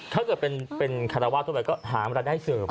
ถ้าเกิดเป็นคาราวาสทั่วไปก็หามารายได้เสริม